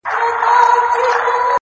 ژوند د درسونو مجموعه ده تل